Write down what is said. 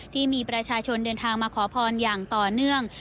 ที่มีประชาชนเดินทางมาขอพรอย่างต่อเนื่อง